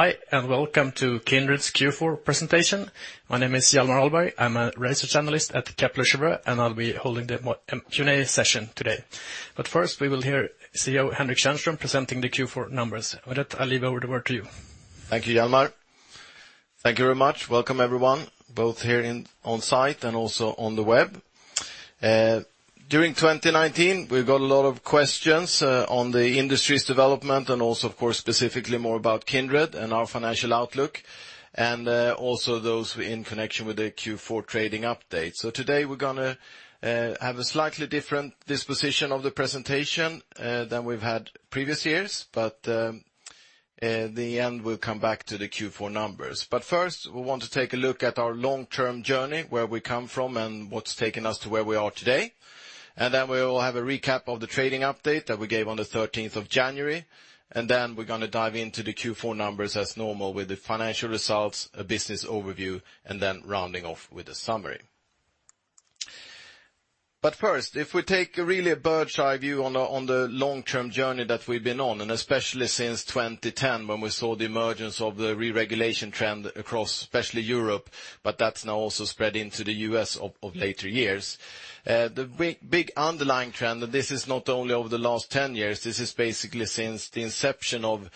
Hi, welcome to Kindred's Q4 presentation. My name is Hjalmar Ahlberg. I'm a research analyst at Kepler Cheuvreux, and I'll be holding the Q&A session today. First we will hear CEO Henrik Tjärnström presenting the Q4 numbers. With that, I leave over the word to you. Thank you, Hjalmar. Thank you very much. Welcome everyone, both here on site and also on the web. During 2019, we've got a lot of questions on the industry's development, and also of course specifically more about Kindred and our financial outlook, and also those in connection with the Q4 trading update. Today we're going to have a slightly different disposition of the presentation than we've had previous years. In the end, we'll come back to the Q4 numbers. First we want to take a look at our long-term journey, where we come from, and what's taken us to where we are today. Then we will have a recap of the trading update that we gave on the 13th of January, then we're going to dive into the Q4 numbers as normal with the financial results, a business overview, and then rounding off with a summary. First, if we take really a bird's-eye view on the long-term journey that we've been on, especially since 2010, when we saw the emergence of the re-regulation trend across especially Europe, that's now also spread into the U.S. of later years. The big underlying trend, this is not only over the last 10 years, this is basically since the inception of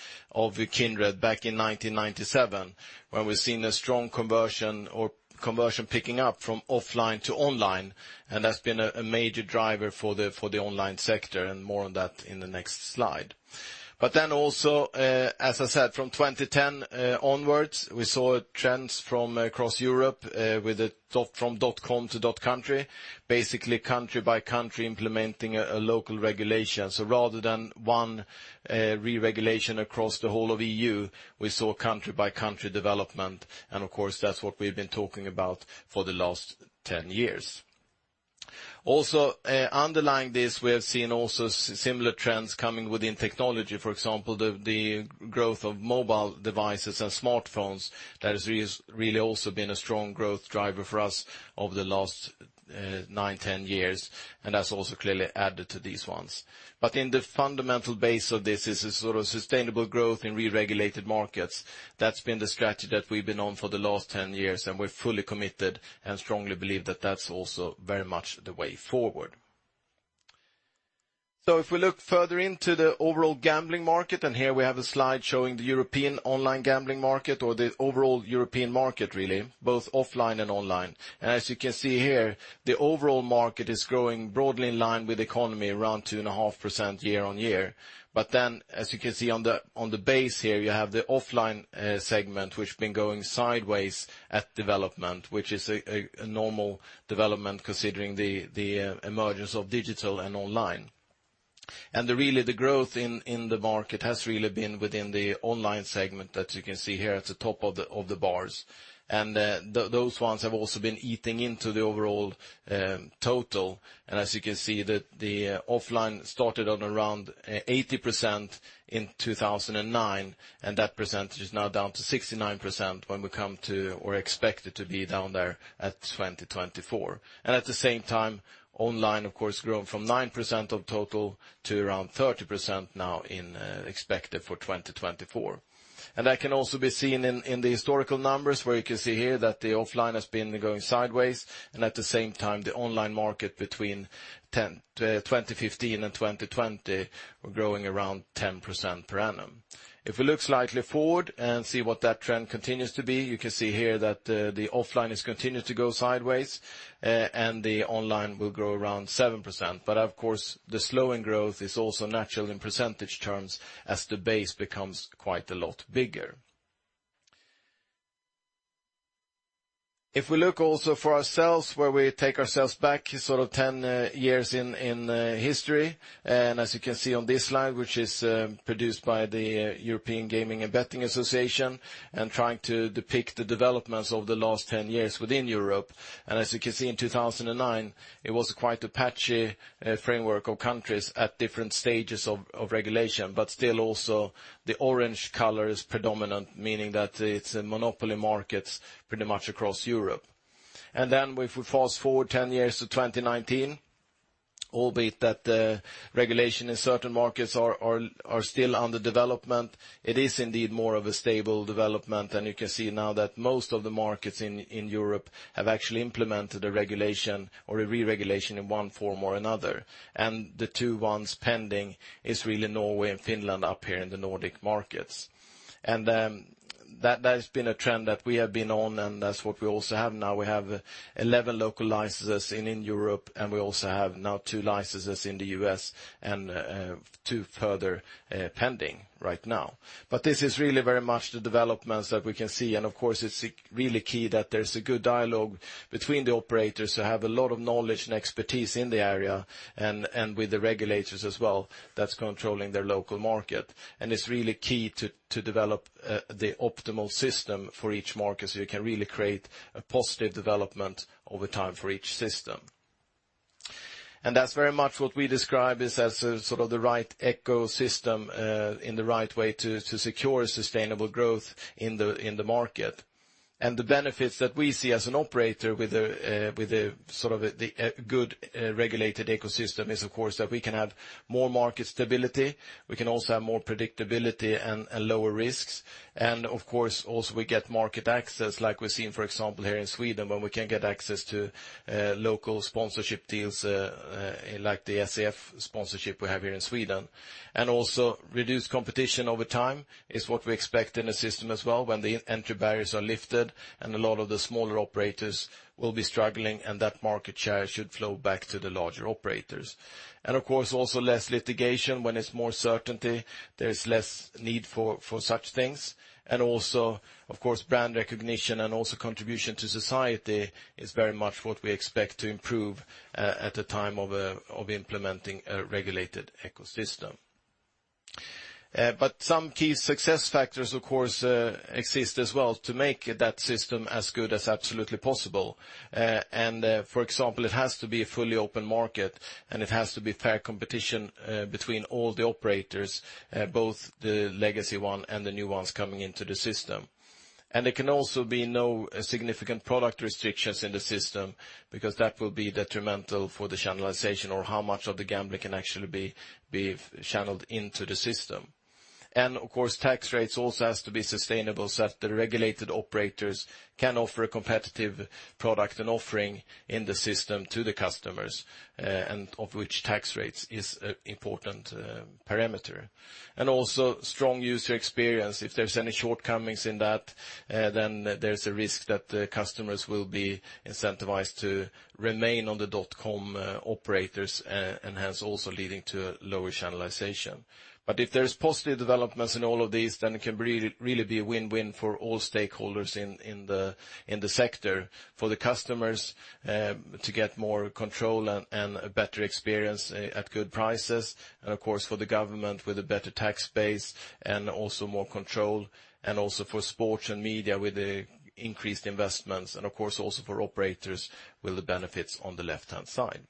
Kindred back in 1997, where we've seen a strong conversion or conversion picking up from offline to online, that's been a major driver for the online sector, more on that in the next slide. Also, as I said, from 2010 onwards, we saw trends from across Europe from .com to .country, basically country by country implementing a local regulation. Rather than one re-regulation across the whole of E.U., we saw country by country development, and of course, that's what we've been talking about for the last 10 years. Underlying this, we have seen also similar trends coming within technology, for example, the growth of mobile devices and smartphones. That has really also been a strong growth driver for us over the last nine, 10 years, and that's also clearly added to these ones. In the fundamental base of this is a sort of sustainable growth in re-regulated markets. That's been the strategy that we've been on for the last 10 years, and we're fully committed and strongly believe that that's also very much the way forward. If we look further into the overall gambling market, here we have a slide showing the European online gambling market or the overall European market really, both offline and online. As you can see here, the overall market is growing broadly in line with economy around 2.5% year-on-year. As you can see on the base here, you have the offline segment, which has been going sideways at development, which is a normal development considering the emergence of digital and online. Really the growth in the market has really been within the online segment that you can see here at the top of the bars. Those ones have also been eating into the overall total. As you can see, the offline started on around 80% in 2009, and that percentage is now down to 69% when we come to or expected to be down there at 2024. At the same time, online, of course, grown from 9% of total to around 30% now expected for 2024. That can also be seen in the historical numbers, where you can see here that the offline has been going sideways, and at the same time, the online market between 2015 and 2020 were growing around 10% per annum. If we look slightly forward and see what that trend continues to be, you can see here that the offline is continued to go sideways, and the online will grow around 7%. Of course, the slowing growth is also natural in percentage terms as the base becomes quite a lot bigger. If we look also for ourselves, where we take ourselves back sort of 10 years in history, as you can see on this slide, which is produced by the European Gaming and Betting Association, trying to depict the developments over the last 10 years within Europe. As you can see in 2009, it was quite a patchy framework of countries at different stages of regulation, but still also the orange color is predominant, meaning that it's monopoly markets pretty much across Europe. If we fast-forward 10 years to 2019, albeit that regulation in certain markets are still under development, it is indeed more of a stable development. You can see now that most of the markets in Europe have actually implemented a regulation or a re-regulation in one form or another. The two ones pending is really Norway and Finland up here in the Nordic markets. That has been a trend that we have been on, and that's what we also have now. We have 11 local licenses in Europe, and we also have now two licenses in the U.S. and two further pending right now. This is really very much the developments that we can see, and of course, it's really key that there's a good dialogue between the operators who have a lot of knowledge and expertise in the area and with the regulators as well that's controlling their local market. It's really key to develop the optimal system for each market so you can really create a positive development over time for each system. That's very much what we describe as sort of the right ecosystem in the right way to secure sustainable growth in the market. The benefits that we see as an operator with the good regulated ecosystem is, of course, that we can have more market stability, we can also have more predictability and lower risks. Of course, also we get market access like we're seeing, for example, here in Sweden, where we can get access to local sponsorship deals like the SEF sponsorship we have here in Sweden. Also reduced competition over time is what we expect in the system as well when the entry barriers are lifted and a lot of the smaller operators will be struggling, and that market share should flow back to the larger operators. Of course, also less litigation. When it's more certainty, there is less need for such things. Also, of course, brand recognition and also contribution to society is very much what we expect to improve at the time of implementing a regulated ecosystem. Some key success factors, of course, exist as well to make that system as good as absolutely possible. For example, it has to be a fully open market, and it has to be fair competition between all the operators, both the legacy one and the new ones coming into the system. There can also be no significant product restrictions in the system, because that will be detrimental for the channelization or how much of the gambling can actually be channeled into the system. Of course, tax rates also has to be sustainable so that the regulated operators can offer a competitive product and offering in the system to the customers, and of which tax rates is an important parameter. Also strong user experience. If there's any shortcomings in that, then there's a risk that customers will be incentivized to remain on the .com operators, and hence also leading to lower channelization. If there's positive developments in all of these, then it can really be a win-win for all stakeholders in the sector, for the customers to get more control and a better experience at good prices, and of course, for the government with a better tax base and also more control, and also for sports and media with the increased investments, and of course also for operators with the benefits on the left-hand side.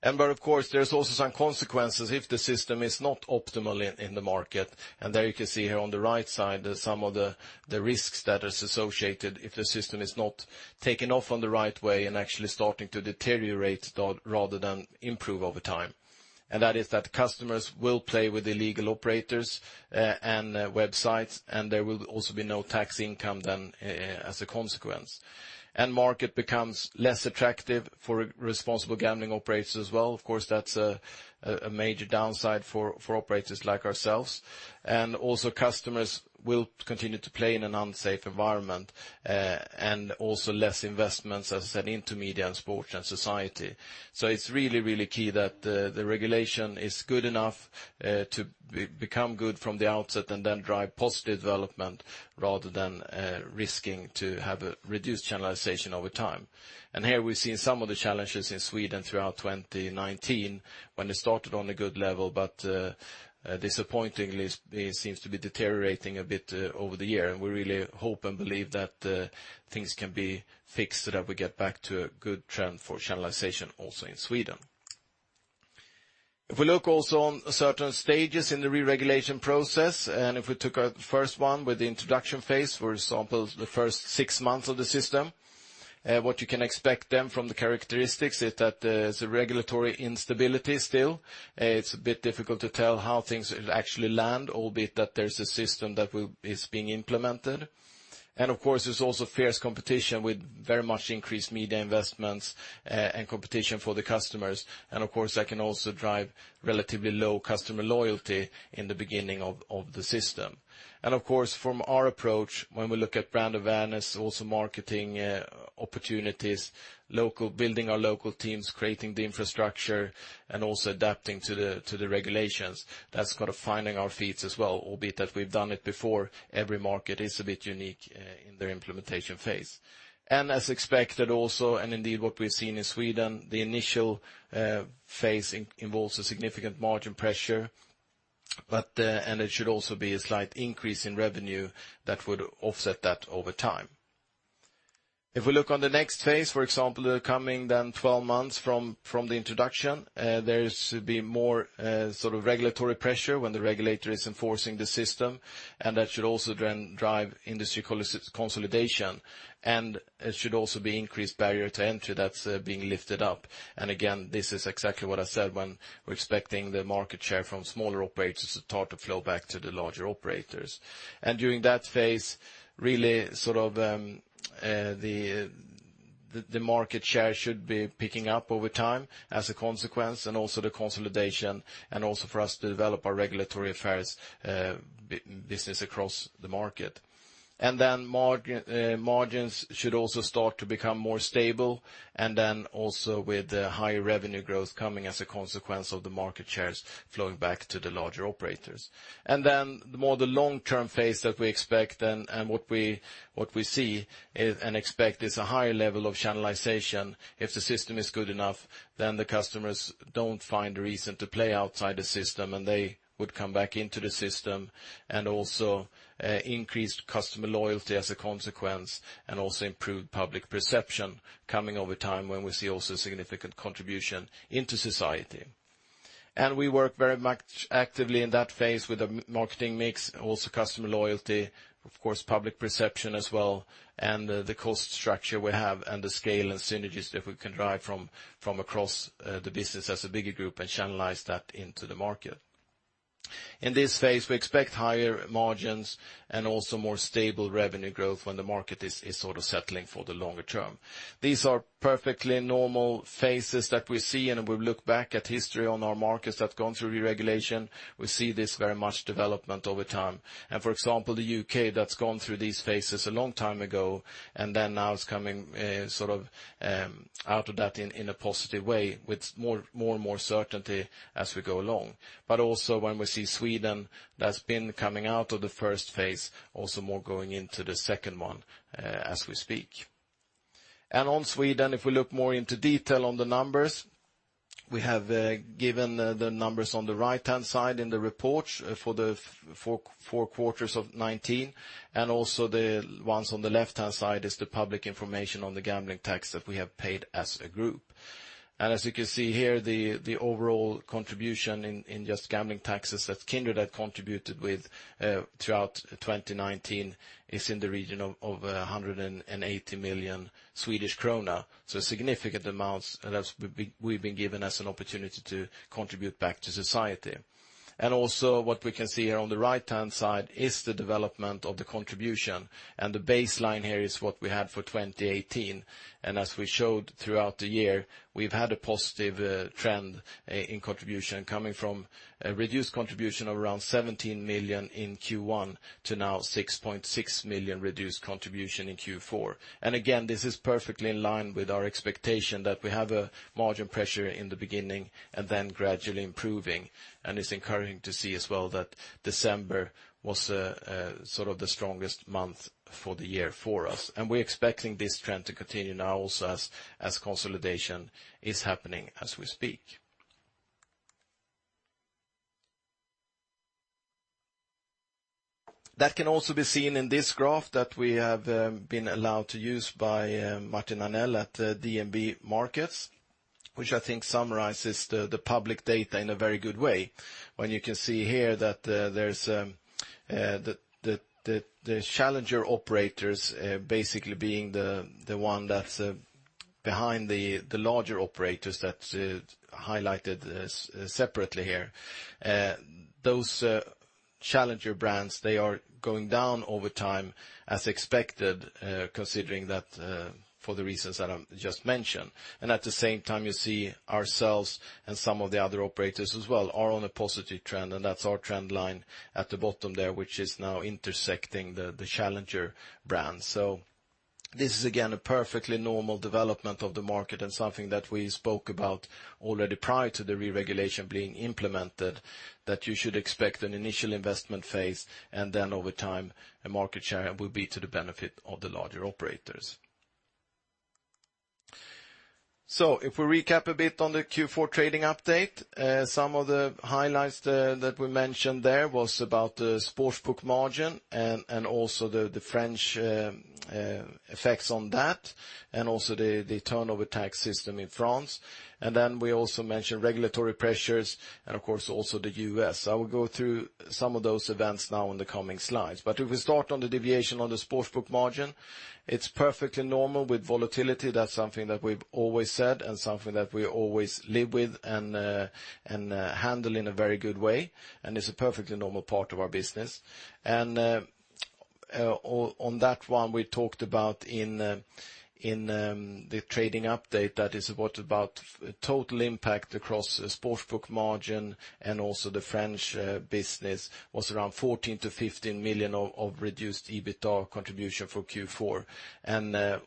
Of course, there's also some consequences if the system is not optimal in the market. There you can see here on the right side some of the risks that is associated if the system is not taking off on the right way and actually starting to deteriorate rather than improve over time. That is that customers will play with illegal operators and websites, and there will also be no tax income then as a consequence. Market becomes less attractive for responsible gambling operators as well. Of course, that's a major downside for operators like ourselves. Also customers will continue to play in an unsafe environment, and also less investments, as I said, into media and sports and society. It's really key that the regulation is good enough to become good from the outset and then drive positive development rather than risking to have a reduced channelization over time. Here we've seen some of the challenges in Sweden throughout 2019 when it started on a good level, but disappointingly, it seems to be deteriorating a bit over the year, and we really hope and believe that things can be fixed so that we get back to a good trend for channelization also in Sweden. If we look also on certain stages in the re-regulation process, and if we took our first one with the introduction phase, for example, the first six months of the system, what you can expect then from the characteristics is that there's a regulatory instability still. It's a bit difficult to tell how things will actually land, albeit that there's a system that is being implemented. Of course, there's also fierce competition with very much increased media investments and competition for the customers. Of course, that can also drive relatively low customer loyalty in the beginning of the system. Of course, from our approach, when we look at brand awareness, also marketing opportunities, building our local teams, creating the infrastructure, and also adapting to the regulations, that's kind of finding our feet as well, albeit that we've done it before. Every market is a bit unique in their implementation phase. As expected also, and indeed what we've seen in Sweden, the initial phase involves a significant margin pressure, and it should also be a slight increase in revenue that would offset that over time. If we look on the next phase, for example, the coming then 12 months from the introduction, there should be more regulatory pressure when the regulator is enforcing the system, and that should also then drive industry consolidation, and it should also be increased barrier to entry that's being lifted up. Again, this is exactly what I said when we're expecting the market share from smaller operators to start to flow back to the larger operators. During that phase, really, the market share should be picking up over time as a consequence, and also the consolidation, and also for us to develop our regulatory affairs business across the market. Then margins should also start to become more stable, and then also with higher revenue growth coming as a consequence of the market shares flowing back to the larger operators. Then the more long-term phase that we expect then and what we see and expect is a higher level of channelization. If the system is good enough, then the customers don't find a reason to play outside the system, and they would come back into the system, and also increased customer loyalty as a consequence, and also improved public perception coming over time when we see also significant contribution into society. We work very much actively in that phase with the marketing mix, also customer loyalty, of course public perception as well, and the cost structure we have and the scale and synergies that we can drive from across the business as a bigger group and channelize that into the market. In this phase, we expect higher margins and also more stable revenue growth when the market is sort of settling for the longer term. These are perfectly normal phases that we see, and when we look back at history on our markets that have gone through reregulation, we see this very much development over time. For example, the U.K. that's gone through these phases a long time ago, and then now it's coming out of that in a positive way with more and more certainty as we go along. When we see Sweden, that's been coming out of the first phase, also more going into the second one as we speak. On Sweden, if we look more into detail on the numbers, we have given the numbers on the right-hand side in the report for the four quarters of 2019. The ones on the left-hand side is the public information on the gambling tax that we have paid as a group. As you can see here, the overall contribution in just gambling taxes that Kindred had contributed with throughout 2019 is in the region of 180 million Swedish krona, significant amounts that we've been given as an opportunity to contribute back to society. Also what we can see here on the right-hand side is the development of the contribution. The baseline here is what we had for 2018. As we showed throughout the year, we've had a positive trend in contribution coming from a reduced contribution of around 17 million in Q1 to now 6.6 million reduced contribution in Q4. Again, this is perfectly in line with our expectation that we have a margin pressure in the beginning and then gradually improving. It's encouraging to see as well that December was the strongest month for the year for us. We're expecting this trend to continue now also as consolidation is happening as we speak. That can also be seen in this graph that we have been allowed to use by Martin Arnell at DNB Markets, which I think summarizes the public data in a very good way. You can see here that there's the challenger operators basically being the one that's behind the larger operators that's highlighted separately here. Those challenger brands, they are going down over time as expected, considering that for the reasons that I just mentioned. At the same time, you see ourselves and some of the other operators as well are on a positive trend, and that's our trend line at the bottom there, which is now intersecting the challenger brands. This is again a perfectly normal development of the market and something that we spoke about already prior to the reregulation being implemented, that you should expect an initial investment phase and then over time, a market share will be to the benefit of the larger operators. If we recap a bit on the Q4 trading update, some of the highlights that we mentioned there was about the sports book margin and also the French effects on that, and also the turnover tax system in France. We also mentioned regulatory pressures and of course, also the U.S. I will go through some of those events now in the coming slides. If we start on the deviation on the sports book margin, it's perfectly normal with volatility. That's something that we've always said and something that we always live with and handle in a very good way, and it's a perfectly normal part of our business. On that one, we talked about in the trading update, that is what about total impact across the sports book margin and also the French business was around 14 million-15 million of reduced EBITDA contribution for Q4.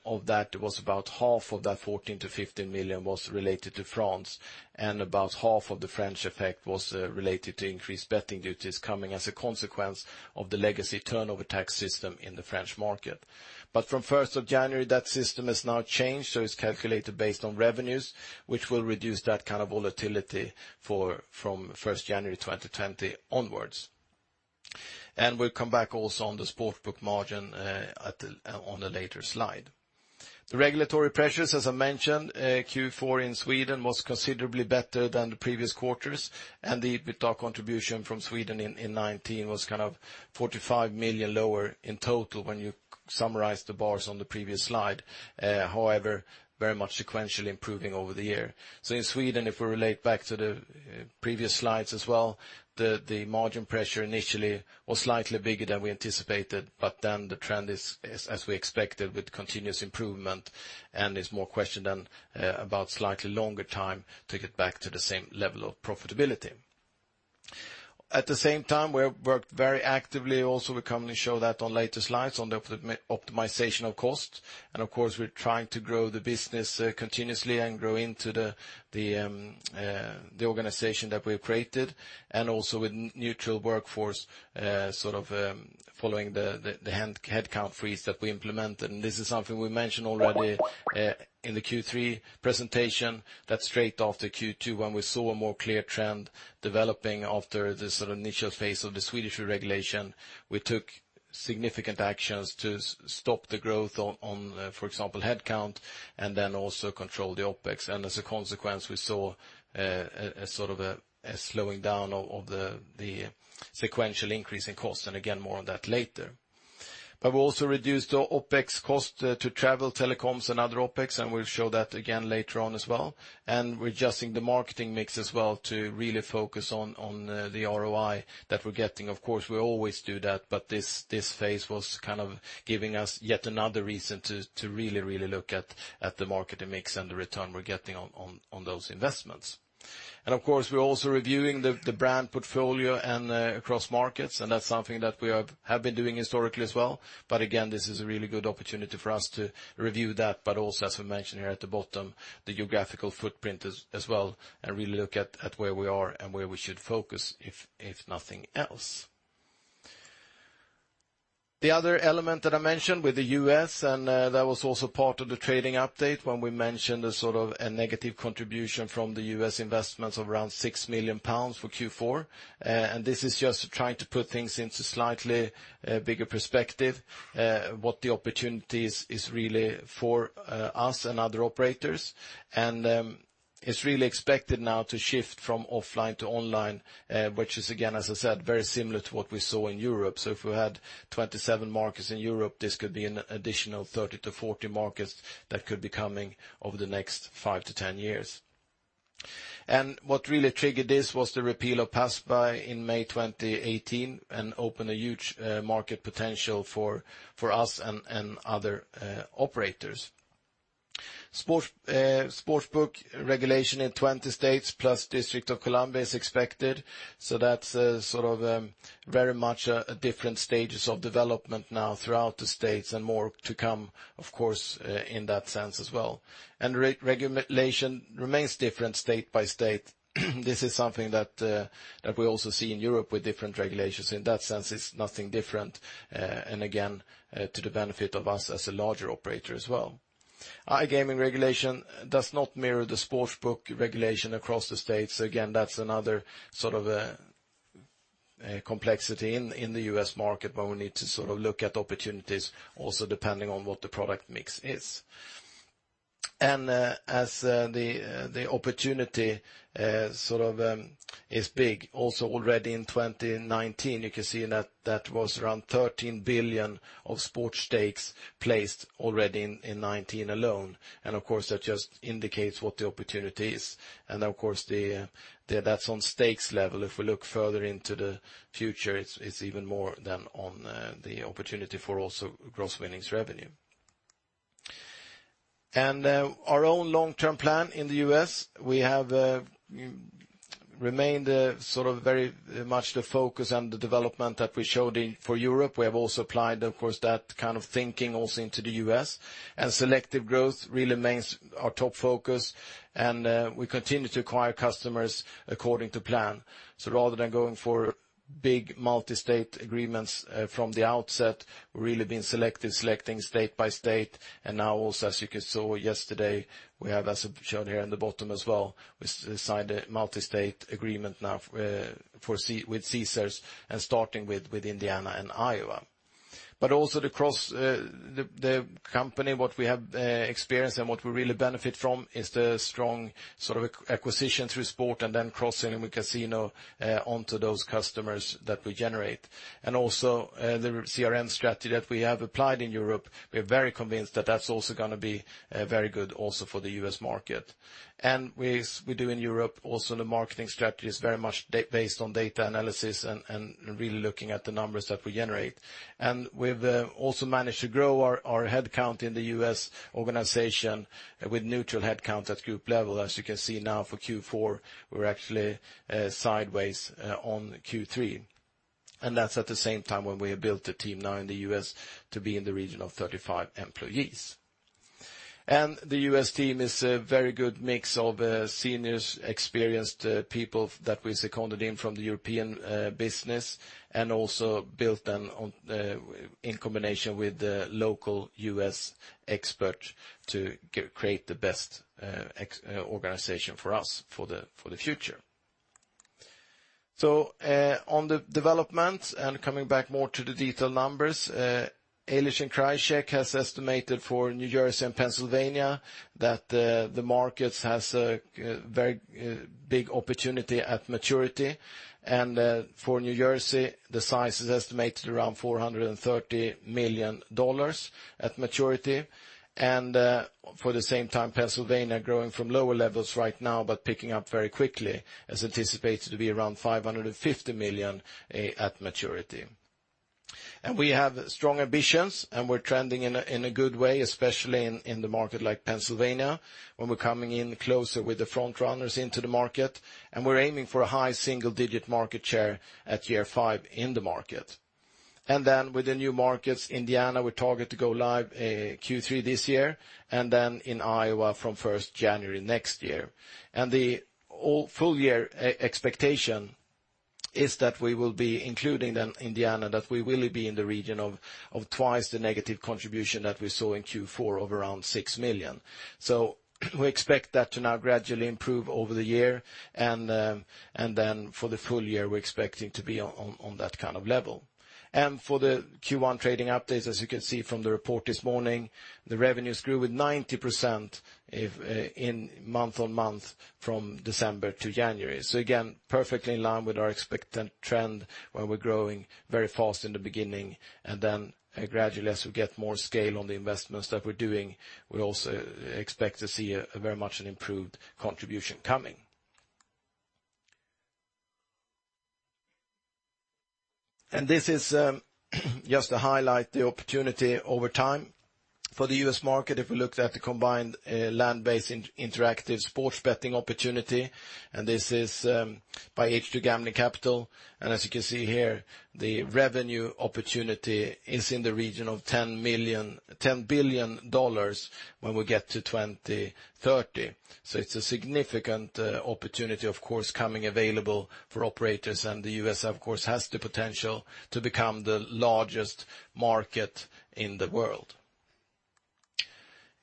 Of that, it was about half of that 14 million-15 million was related to France, and about half of the French effect was related to increased betting duties coming as a consequence of the legacy turnover tax system in the French market. From 1st of January, that system has now changed, so it's calculated based on revenues, which will reduce that kind of volatility from 1st January 2020 onwards. We'll come back also on the sports book margin on a later slide. The regulatory pressures, as I mentioned, Q4 in Sweden was considerably better than the previous quarters, and the EBITDA contribution from Sweden in 2019 was kind of 45 million lower in total when you summarize the bars on the previous slide. However, very much sequentially improving over the year. In Sweden, if we relate back to the previous slides as well, the margin pressure initially was slightly bigger than we anticipated, but then the trend is as we expected with continuous improvement, and is more a question then about slightly longer time to get back to the same level of profitability. At the same time, we worked very actively also, we commonly show that on later slides, on the optimization of cost. Of course, we're trying to grow the business continuously and grow into the organization that we've created and also with neutral workforce, following the headcount freeze that we implemented. This is something we mentioned already in the Q3 presentation, that straight after Q2, when we saw a more clear trend developing after the sort of initial phase of the Swedish reregulation, we took significant actions to stop the growth on, for example, headcount, and also control the OpEx. As a consequence, we saw a slowing down of the sequential increase in cost. Again, more on that later. We also reduced our OpEx cost to travel, telecoms, and other OpEx, and we'll show that again later on as well. We're adjusting the marketing mix as well to really focus on the ROI that we're getting. Of course, we always do that, this phase was giving us yet another reason to really look at the marketing mix and the return we're getting on those investments. Of course, we're also reviewing the brand portfolio and across markets, and that's something that we have been doing historically as well. Again, this is a really good opportunity for us to review that, also as we mentioned here at the bottom, the geographical footprint as well, and really look at where we are and where we should focus if nothing else. The other element that I mentioned with the U.S., and that was also part of the trading update when we mentioned a negative contribution from the U.S. investments of around 6 million pounds for Q4. This is just trying to put things into slightly bigger perspective what the opportunities is really for us and other operators. It's really expected now to shift from offline to online, which is, again, as I said, very similar to what we saw in Europe. If we had 27 markets in Europe, this could be an additional 30-40 markets that could be coming over the next 5-10 years. What really triggered this was the repeal of PASPA in May 2018 and opened a huge market potential for us and other operators. Sports book regulation in 20 States plus District of Columbia is expected, so that's very much a different stages of development now throughout the States and more to come, of course, in that sense as well. Regulation remains different state by state. This is something that we also see in Europe with different regulations. In that sense, it's nothing different, and again, to the benefit of us as a larger operator as well. iGaming regulation does not mirror the sports book regulation across the States. Again, that's another complexity in the U.S. market where we need to look at opportunities also depending on what the product mix is. As the opportunity is big also already in 2019, you can see that that was around 13 billion of sports stakes placed already in 2019 alone. Of course, that just indicates what the opportunity is. Of course, that's on stakes level. If we look further into the future, it's even more than on the opportunity for also gross winnings revenue. Our own long-term plan in the U.S., we have remained very much the focus and the development that we showed for Europe. We have also applied, of course, that kind of thinking also into the U.S., and selective growth really remains our top focus, and we continue to acquire customers according to plan. Rather than going for big multi-state agreements from the outset, we're really being selective, selecting state by state. Now also, as you saw yesterday, we have, as shown here in the bottom as well, we signed a multi-state agreement now with Caesars and starting with Indiana and Iowa. Also the company, what we have experienced and what we really benefit from is the strong acquisition through sport and then crossing into casino onto those customers that we generate. Also the CRM strategy that we have applied in Europe, we are very convinced that that's also going to be very good also for the U.S. market. We do in Europe also the marketing strategy is very much based on data analysis and really looking at the numbers that we generate. We've also managed to grow our headcount in the U.S. organization with neutral headcounts at group level. As you can see now for Q4, we're actually sideways on Q3. That's at the same time when we have built a team now in the U.S. to be in the region of 35 employees. The U.S. team is a very good mix of seniors, experienced people that we seconded in from the European business and also built in combination with the local U.S. expert to create the best organization for us for the future. On the development and coming back more to the detailed numbers, Eilers & Krejcik has estimated for New Jersey and Pennsylvania that the markets has a very big opportunity at maturity. For New Jersey, the size is estimated around $430 million at maturity. For the same time, Pennsylvania growing from lower levels right now, but picking up very quickly as anticipated to be around $550 million at maturity. We have strong ambitions, and we're trending in a good way, especially in the market like Pennsylvania, when we're coming in closer with the front runners into the market, and we're aiming for a high single-digit market share at year five in the market. With the new markets, Indiana, we target to go live Q3 this year, in Iowa from 1st January next year. The full year expectation is that we will be including then Indiana, that we will be in the region of twice the negative contribution that we saw in Q4 of around 6 million. We expect that to now gradually improve over the year, and then for the full year, we're expecting to be on that kind of level. For the Q1 trading updates, as you can see from the report this morning, the revenues grew with 90% in month-on-month from December to January. Again, perfectly in line with our expected trend where we're growing very fast in the beginning, and then gradually as we get more scale on the investments that we're doing, we also expect to see a very much an improved contribution coming. This is just to highlight the opportunity over time for the U.S. market. If we looked at the combined land-based interactive sports betting opportunity. This is by H2 Gambling Capital. As you can see here, the revenue opportunity is in the region of $10 billion when we get to 2030. It's a significant opportunity, of course, coming available for operators and the U.S., of course, has the potential to become the largest market in the world.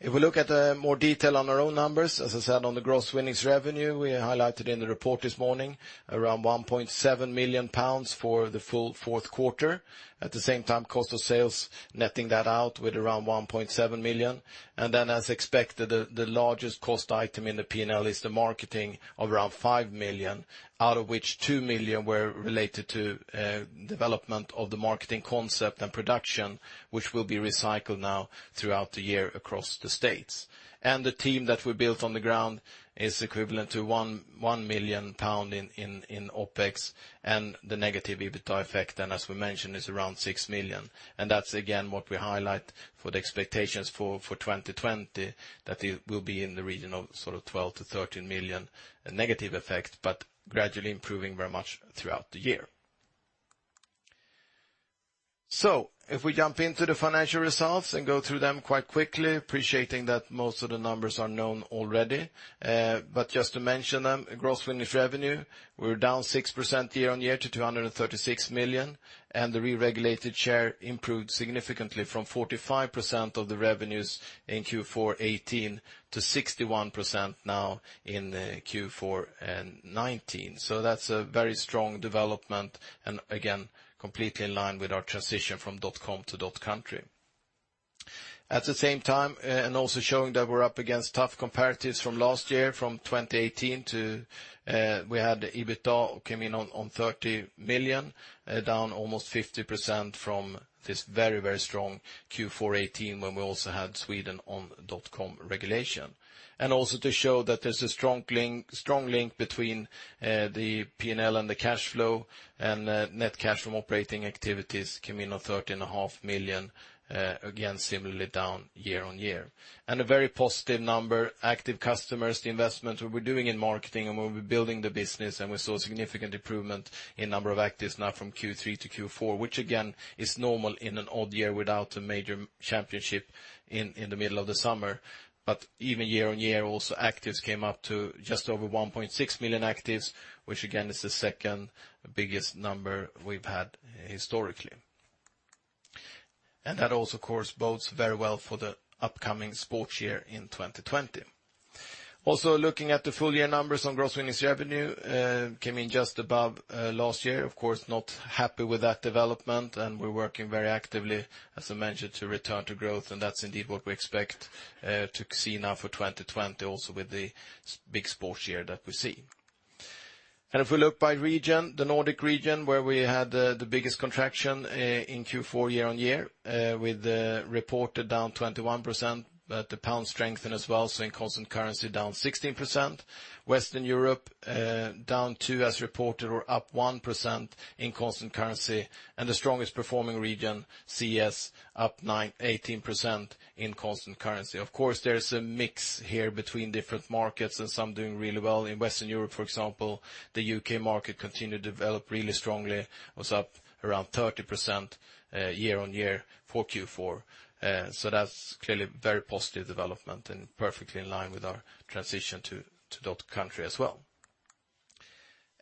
If we look at the more detail on our own numbers, as I said, on the gross winnings revenue, we highlighted in the report this morning around 1.7 million pounds for the full fourth quarter. At the same time, cost of sales, netting that out with around 1.7 million. As expected, the largest cost item in the P&L is the marketing of around 5 million, out of which 2 million were related to development of the marketing concept and production, which will be recycled now throughout the year across the States. The team that we built on the ground is equivalent to 1 million pound in OpEx and the negative EBITDA effect, as we mentioned, is around 6 million. That's, again, what we highlight for the expectations for 2020, that it will be in the region of 12 million-13 million negative effect, but gradually improving very much throughout the year. If we jump into the financial results and go through them quite quickly, appreciating that most of the numbers are known already. Just to mention them, gross winnings revenue, we are down 6% year-on-year to 236 million, and the re-regulated share improved significantly from 45% of the revenues in Q4 2018 to 61% now in Q4 2019. That is a very strong development and again, completely in line with our transition from .com to .country. At the same time, also showing that we are up against tough comparatives from last year, from 2018, we had EBITDA came in on 30 million, down almost 50% from this very strong Q4 2018 when we also had Sweden on .com regulation. Also to show that there is a strong link between the P&L and the cash flow and net cash from operating activities came in on 30.5 million, again, similarly down year-on-year. A very positive number, active customers, the investment we're doing in marketing and where we're building the business, we saw significant improvement in number of actives now from Q3 to Q4, which again, is normal in an odd year without a major championship in the middle of the summer. Even year-over-year, also actives came up to just over 1.6 million actives, which again, is the second biggest number we've had historically. That also, of course, bodes very well for the upcoming sports year in 2020. Looking at the full year numbers on gross winnings revenue, came in just above last year. Of course, not happy with that development, we're working very actively, as I mentioned, to return to growth, that's indeed what we expect to see now for 2020 also with the big sports year that we see. If we look by region, the Nordic region where we had the biggest contraction in Q4 year-on-year, with reported down 21%, but the pound strengthened as well, so in constant currency down 16%. Western Europe, down two as reported or up 1% in constant currency, and the strongest performing region, CES, up 18% in constant currency. Of course, there's a mix here between different markets and some doing really well. In Western Europe, for example, the U.K. market continued to develop really strongly, was up around 30% year-on-year for Q4. That's clearly a very positive development and perfectly in line with our transition to .country as well.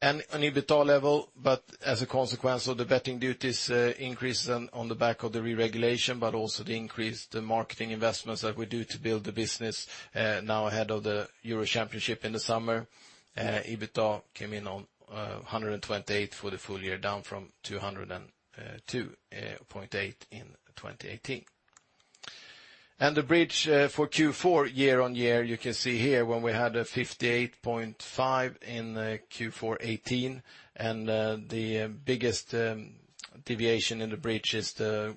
On EBITDA level, but as a consequence of the betting duties increase on the back of the reregulation, but also the increased marketing investments that we do to build the business now ahead of the Euro Championship in the summer, EBITDA came in on 128 for the full year, down from 202.8 in 2018. The bridge for Q4 year-over-year, you can see here when we had 58.5 in Q4 2018, and the biggest deviation in the bridge is the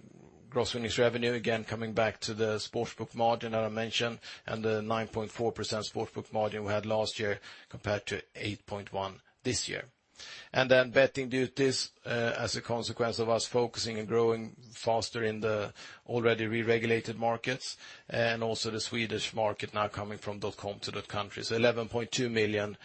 gross winnings revenue, again, coming back to the sports book margin that I mentioned and the 9.4% sports book margin we had last year compared to 8.1% this year. Then betting duties as a consequence of us focusing and growing faster in the already reregulated markets and also the Swedish market now coming from .com to .country. 11.2 million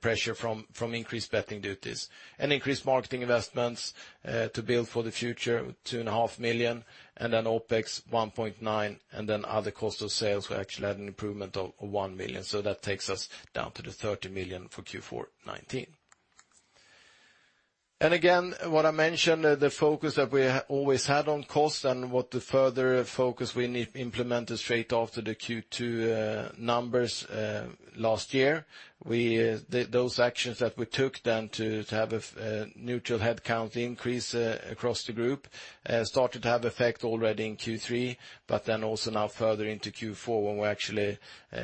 pressure from increased betting duties and increased marketing investments to build for the future, 2.5 million, and then OpEx 1.9 million, and then other cost of sales, we actually had an improvement of 1 million. That takes us down to the 30 million for Q4 2019. Again, what I mentioned, the focus that we always had on cost and what the further focus we implemented straight after the Q2 numbers last year. Those actions that we took then to have a neutral headcount increase across the group started to have effect already in Q3, but then also now further into Q4 when we actually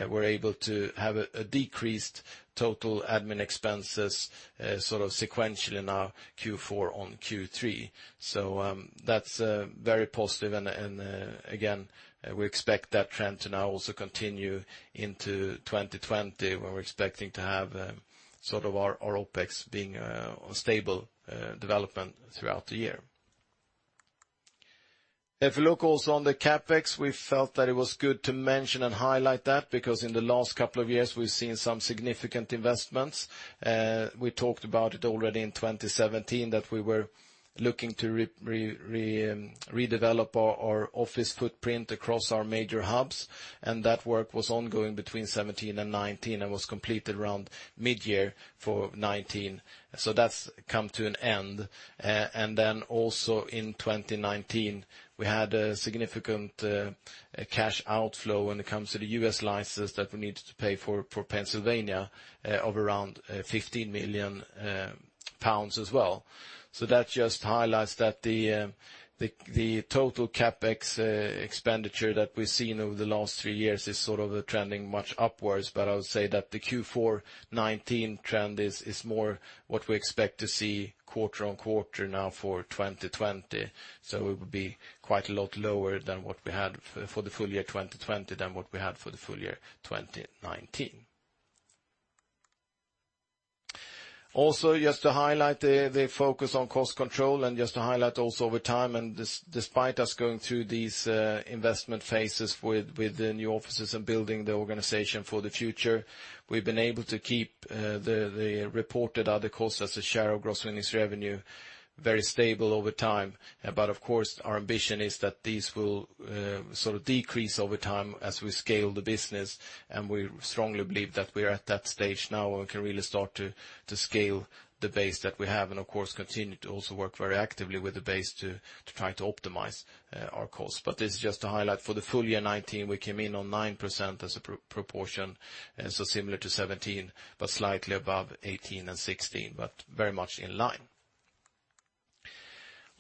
were able to have a decreased total admin expenses sequentially now Q4 on Q3. That's very positive and again, we expect that trend to now also continue into 2020 where we're expecting to have our OpEx being on stable development throughout the year. If you look also on the CapEx, we felt that it was good to mention and highlight that, because in the last couple of years we've seen some significant investments. We talked about it already in 2017, that we were looking to redevelop our office footprint across our major hubs, and that work was ongoing between 2017 and 2019 and was completed around mid-year for 2019. That's come to an end. Then also in 2019, we had a significant cash outflow when it comes to the U.S. license that we needed to pay for Pennsylvania of around 15 million pounds as well. That just highlights that the total CapEx expenditure that we've seen over the last three years is sort of trending much upwards. I would say that the Q4 2019 trend is more what we expect to see quarter-on-quarter now for 2020. It will be quite a lot lower than what we had for the full year 2020 than what we had for the full year 2019. Just to highlight the focus on cost control and just to highlight also over time and despite us going through these investment phases with the new offices and building the organization for the future, we've been able to keep the reported other costs as a share of gross winnings revenue very stable over time. Of course, our ambition is that these will sort of decrease over time as we scale the business. We strongly believe that we are at that stage now and we can really start to scale the base that we have and of course, continue to also work very actively with the base to try to optimize our costs. It's just to highlight for the full year 2019, we came in on 9% as a proportion, so similar to 2017, but slightly above 2018 and 2016, but very much in line.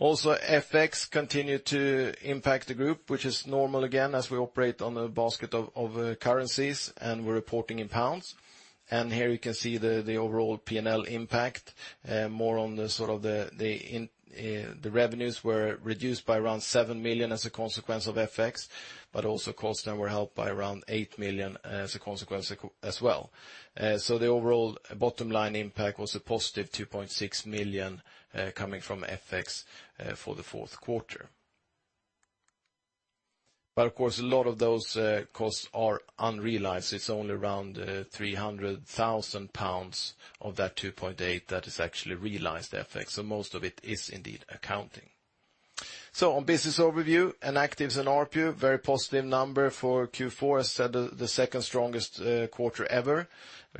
Also, FX continued to impact the group, which is normal again, as we operate on a basket of currencies and we're reporting in GBP. Here you can see the overall P&L impact, more on the sort of the revenues were reduced by around 7 million as a consequence of FX, but also costs then were helped by around 8 million as a consequence as well. The overall bottom line impact was a positive 2.6 million coming from FX for the fourth quarter. Of course, a lot of those costs are unrealized. It's only around 300,000 pounds of that 2.8 million that is actually realized FX, most of it is indeed accounting. On business overview and actives and ARPU, very positive number for Q4. As said, the second strongest quarter ever,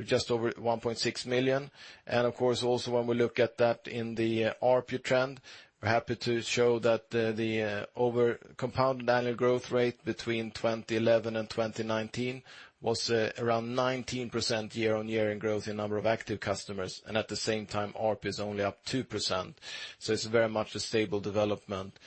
just over 1.6 million. Of course, also when we look at that in the ARPU trend, we're happy to show that the over compounded annual growth rate between 2011 and 2019 was around 19% year-on-year in growth in number of active customers. At the same time, ARPU is only up 2%. It's very much a stable development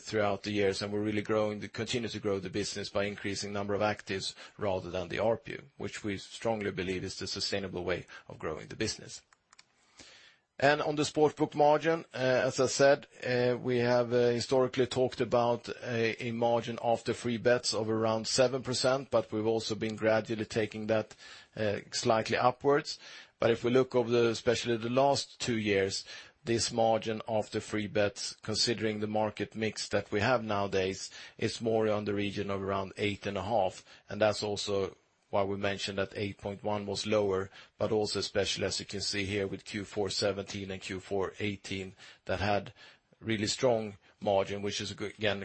throughout the years, and we're really growing, continue to grow the business by increasing number of actives rather than the ARPU, which we strongly believe is the sustainable way of growing the business. On the Sportsbook margin, as I said, we have historically talked about a margin after free bets of around 7%, but we've also been gradually taking that slightly upwards. If we look over especially the last two years, this margin after free bets, considering the market mix that we have nowadays, is more in the region of around 8.5%. That's also why we mentioned that 8.1 was lower, but also especially as you can see here with Q4 2017 and Q4 2018, that had really strong margin, which is, again,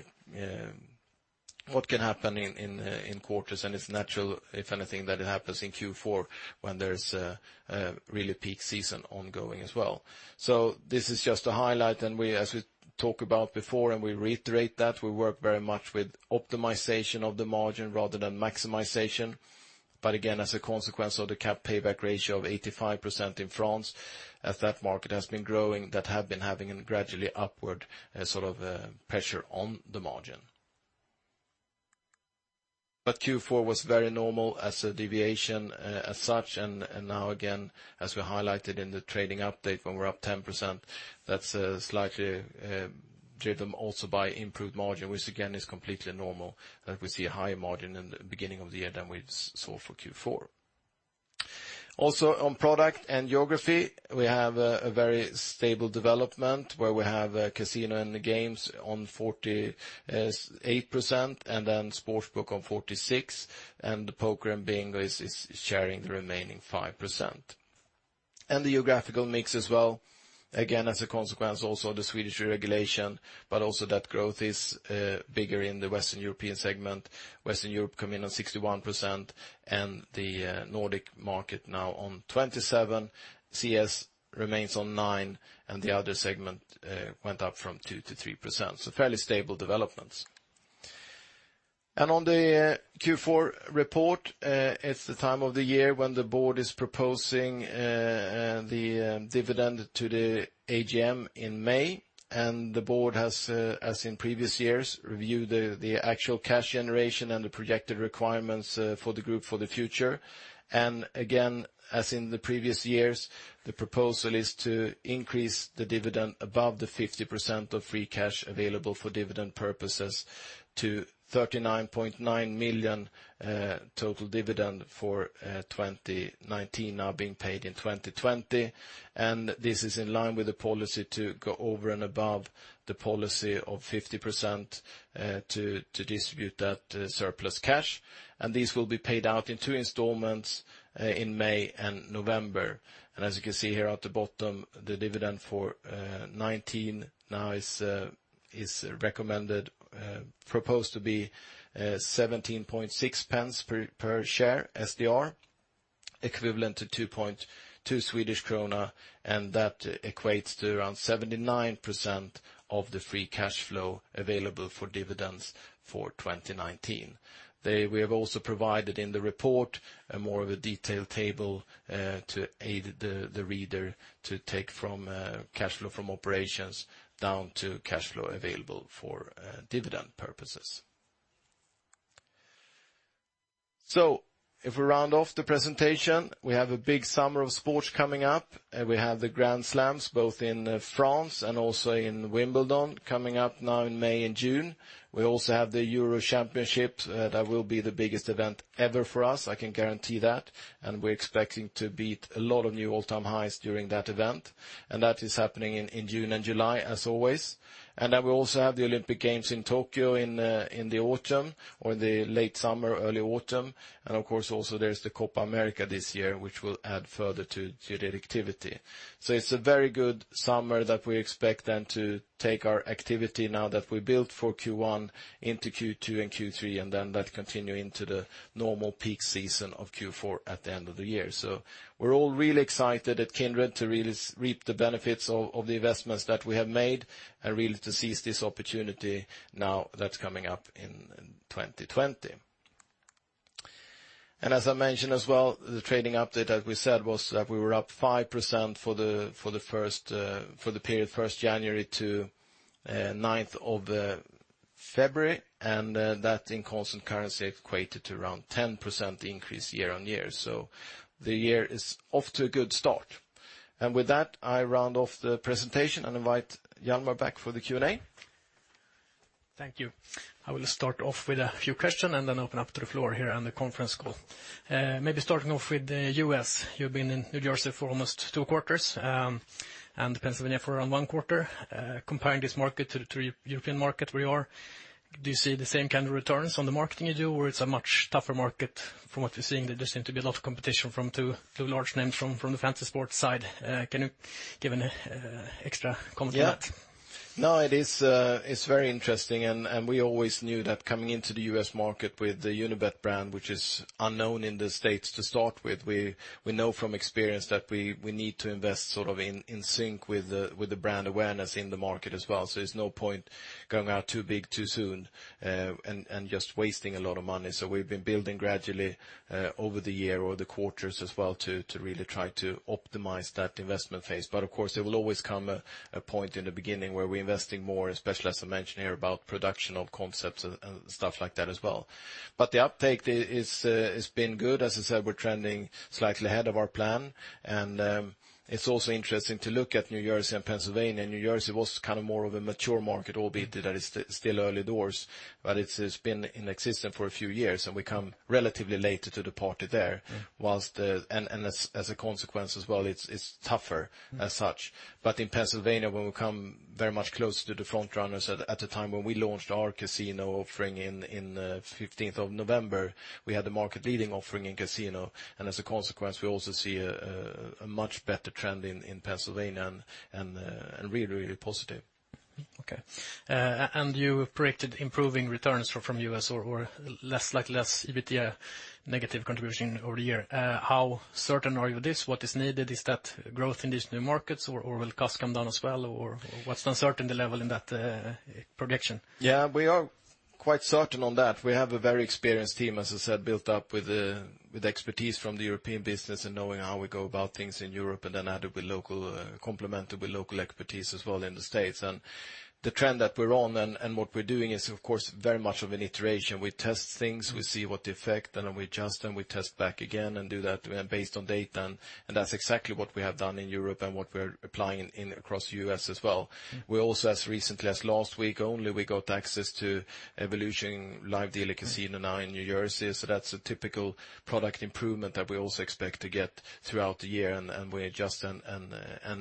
what can happen in quarters, and it's natural, if anything, that it happens in Q4 when there's really peak season ongoing as well. This is just to highlight, and as we talked about before, and we reiterate that, we work very much with optimization of the margin rather than maximization. Again, as a consequence of the CapEx payback ratio of 85% in France, as that market has been growing, that have been having a gradually upward sort of pressure on the margin. Q4 was very normal as a deviation as such, and now again, as we highlighted in the trading update when we're up 10%, that's slightly driven also by improved margin, which again is completely normal, that we see a higher margin in the beginning of the year than we saw for Q4. On product and geography, we have a very stable development where we have casino and games on 48% and then Sportsbook on 46% and Poker and Bingo is sharing the remaining 5%. The geographical mix as well, again, as a consequence also of the Swedish regulation, but also that growth is bigger in the Western European segment, Western Europe coming in on 61% and the Nordic market now on 27%, CES remains on 9%, and the other segment went up from 2% to 3%. Fairly stable developments. On the Q4 report, it's the time of the year when the board is proposing the dividend to the AGM in May. The board has, as in previous years, reviewed the actual cash generation and the projected requirements for the group for the future. Again, as in the previous years, the proposal is to increase the dividend above the 50% of free cash available for dividend purposes. To 39.9 million total dividend for 2019 now being paid in 2020. This is in line with the policy to go over and above the policy of 50% to distribute that surplus cash. These will be paid out in two installments in May and November. As you can see here at the bottom, the dividend for 2019 now is proposed to be 17.6 per share, SDR, equivalent to 2.2 Swedish krona, and that equates to around 79% of the free cash flow available for dividends for 2019. We have also provided in the report more of a detailed table to aid the reader to take from cash flow from operations down to cash flow available for dividend purposes. If we round off the presentation, we have a big summer of sports coming up. We have the Grand Slams, both in France and also in Wimbledon, coming up now in May and June. We also have the UEFA European Championship. That will be the biggest event ever for us, I can guarantee that. We're expecting to beat a lot of new all-time highs during that event. That is happening in June and July, as always. We also have the Olympic Games in Tokyo in the late summer, early autumn. Also there's the Copa América this year, which will add further to the activity. It's a very good summer that we expect then to take our activity now that we built for Q1 into Q2 and Q3, and then that continue into the normal peak season of Q4 at the end of the year. We're all really excited at Kindred to really reap the benefits of the investments that we have made and really to seize this opportunity now that's coming up in 2020. As I mentioned as well, the trading update, as we said, was that we were up 5% for the period 1st of January-9th of February, and that in constant currency equated to around 10% increase year-on-year. The year is off to a good start. With that, I round off the presentation and invite Hjalmar back for the Q&A. Thank you. I will start off with a few question and then open up to the floor here on the conference call. Maybe starting off with the U.S., you've been in New Jersey for almost two quarters, and Pennsylvania for around one quarter. Comparing this market to European market where you are, do you see the same kind of returns on the marketing you do, or it's a much tougher market from what you're seeing? There does seem to be a lot of competition from two large names from the fantasy sports side. Can you give an extra comment on that? It's very interesting, we always knew that coming into the U.S. market with the Unibet brand, which is unknown in the States to start with, we know from experience that we need to invest sort of in sync with the brand awareness in the market as well. There's no point going out too big too soon and just wasting a lot of money. We've been building gradually over the year or the quarters as well to really try to optimize that investment phase. Of course, there will always come a point in the beginning where we're investing more, especially as I mentioned here about production of concepts and stuff like that as well. The uptake has been good. As I said, we're trending slightly ahead of our plan, and it's also interesting to look at New Jersey and Pennsylvania. New Jersey was kind of more of a mature market, albeit that it's still early doors, but it's been in existence for a few years, and we come relatively late to the party there. As a consequence as well, it's tougher as such. In Pennsylvania, when we come very much closer to the front runners at the time when we launched our casino offering in 15th of November, we had the market leading offering in casino, and as a consequence, we also see a much better trend in Pennsylvania and really positive. Okay. You predicted improving returns from U.S. or less EBITDA negative contribution over the year. How certain are you this, what is needed is that growth in these new markets or will cost come down as well? What's the uncertainty level in that projection? Yeah, we are quite certain on that. We have a very experienced team, as I said, built up with expertise from the European business and knowing how we go about things in Europe and then how to be local, complement with local expertise as well in the States. The trend that we're on and what we're doing is of course very much of an iteration. We test things, we see what the effect, and we adjust and we test back again and do that based on data, and that's exactly what we have done in Europe and what we're applying in across U.S. as well. We also, as recently as last week only, we got access to Evolution live dealer casino now in New Jersey. That's a typical product improvement that we also expect to get throughout the year and we adjust and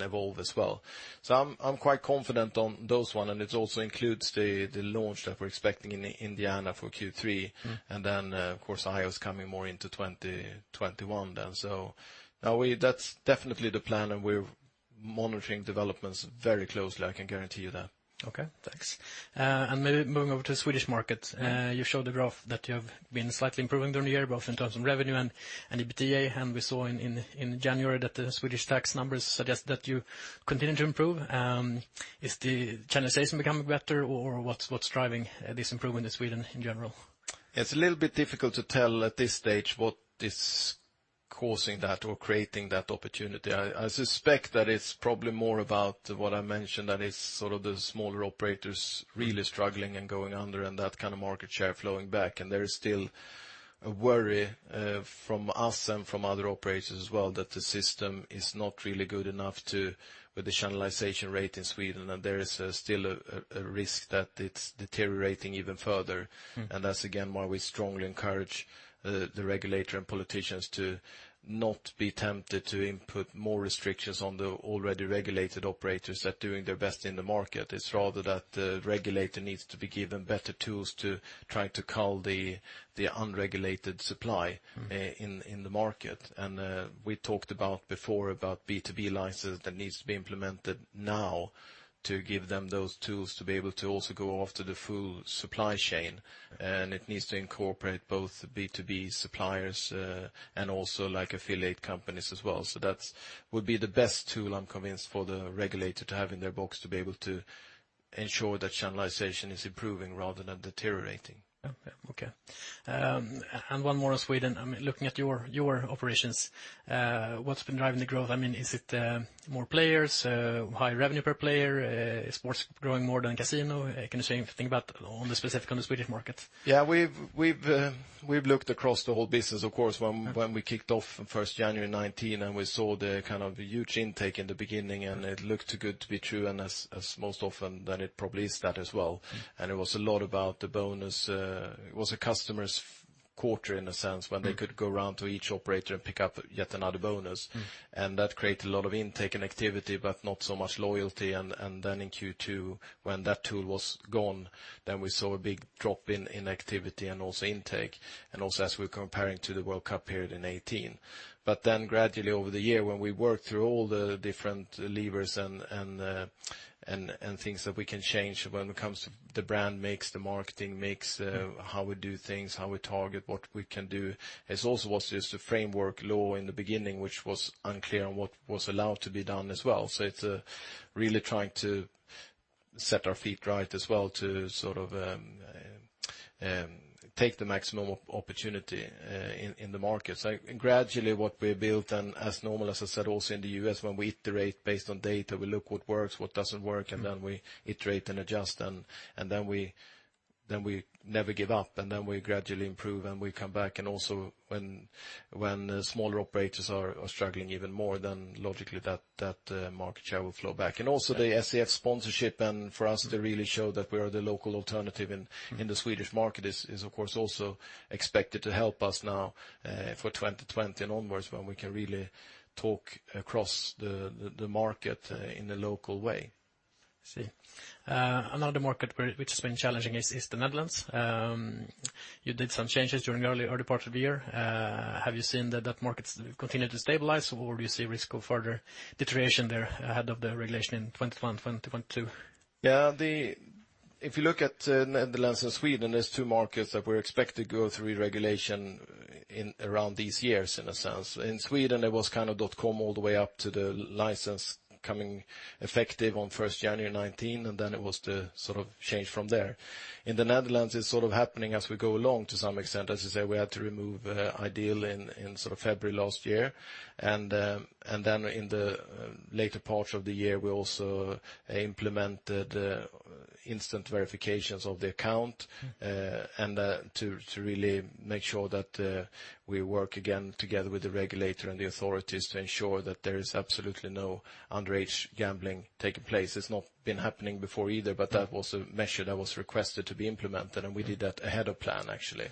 evolve as well. I'm quite confident on those one, and it also includes the launch that we're expecting in Indiana for Q3. Of course, Iowa's coming more into 2021 then. Now that's definitely the plan and we're monitoring developments very closely, I can guarantee you that. Okay, thanks. Maybe moving over to Swedish markets. You showed a graph that you have been slightly improving during the year, both in terms of revenue and EBITDA. We saw in January that the Swedish tax numbers suggest that you continue to improve. Is the generalization becoming better or what's driving this improvement in Sweden in general? It's a little bit difficult to tell at this stage what is causing that or creating that opportunity. I suspect that it's probably more about what I mentioned, that it's the smaller operators really struggling and going under, and that kind of market share flowing back. There is still a worry from us and from other operators as well that the system is not really good enough with the channelization rate in Sweden, and there is still a risk that it's deteriorating even further. That's again why we strongly encourage the regulator and politicians to not be tempted to input more restrictions on the already regulated operators that are doing their best in the market. It's rather that the regulator needs to be given better tools to try to cull the unregulated supply. in the market. We talked about before about B2B license that needs to be implemented now to give them those tools to be able to also go after the full supply chain, and it needs to incorporate both B2B suppliers and also affiliate companies as well. That would be the best tool, I'm convinced, for the regulator to have in their box to be able to ensure that channelization is improving rather than deteriorating. Okay. One more on Sweden. Looking at your operations, what's been driving the growth? Is it more players, high revenue per player, sports growing more than casino? Can you say anything about on the specific Swedish market? Yeah. We've looked across the whole business, of course, when we kicked off on 1st January 2019. We saw the huge intake in the beginning. It looked too good to be true. As most often, then it probably is that as well. It was a lot about the bonus. It was a customer's quarter, in a sense, when they could go around to each operator and pick up yet another bonus. That created a lot of intake and activity, but not so much loyalty. Then in Q2, when that tool was gone, then we saw a big drop in activity and also intake, and also as we're comparing to the World Cup period in 2018. Gradually over the year, when we worked through all the different levers and things that we can change when it comes to the brand mix, the marketing mix, how we do things, how we target what we can do. It's also what is the framework law in the beginning, which was unclear on what was allowed to be done as well. It's really trying to set our feet right as well to take the maximum opportunity in the market. Gradually what we built, and as normal, as I said, also in the U.S., when we iterate based on data, we look what works, what doesn't work, and then we iterate and adjust, and then we never give up, and then we gradually improve, and we come back. Also when smaller operators are struggling even more, then logically that market share will flow back. Also the SEF sponsorship, and for us, they really show that we are the local alternative in the Swedish market is, of course, also expected to help us now for 2020 and onwards, when we can really talk across the market in the local way. I see. Another market which has been challenging is the Netherlands. You did some changes during the early part of the year. Have you seen that market continue to stabilize, or do you see risk of further deterioration there ahead of the regulation in 2021, 2022? If you look at Netherlands and Sweden, there's two markets that we expect to go through regulation around these years, in a sense. In Sweden, it was dot-com all the way up to the license becoming effective on 1st January 2019, and then it was the change from there. In the Netherlands, it's happening as we go along to some extent. As you say, we had to remove iDEAL in February last year. In the later part of the year, we also implemented instant verifications of the account to really make sure that we work again together with the regulator and the authorities to ensure that there is absolutely no underage gambling taking place. It's not been happening before either, but that was a measure that was requested to be implemented, and we did that ahead of plan, actually.